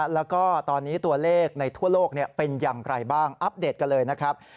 แล้วก็ตอนนี้ตัวเลขในทั่วโลกเป็นอย่างไรบ้างอัปเดตกันเลยนะครับ